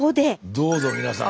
どうぞ皆さん。